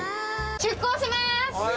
出航します！